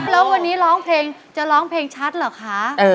แล้ววันนี้จะร้องเพลงชัดเหรอคะ